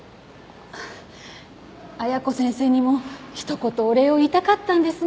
綾子先生にもひと言お礼を言いたかったんですが。